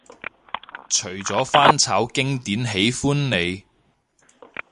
除咗翻炒經典喜歡你